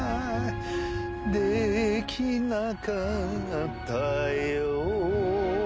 「できなかったよ」